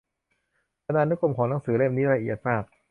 บรรณานุกรมของหนังสือเล่มนี้ละเอียดมาก